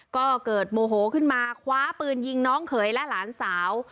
ก็เกิดโมโหขึ้นมาคว้าปืนยิงน้องเขยและหลานสาว